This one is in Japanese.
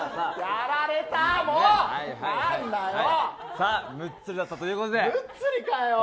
さあ、ムッツリだったということで。